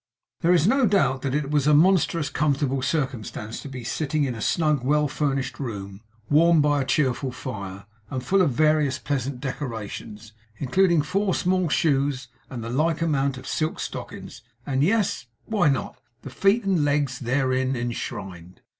There is no doubt that it was a monstrous comfortable circumstance to be sitting in a snug, well furnished room, warmed by a cheerful fire, and full of various pleasant decorations, including four small shoes, and the like amount of silk stockings, and yes, why not? the feet and legs therein enshrined.